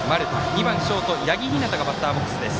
２番ショート、八木陽がバッターボックスです。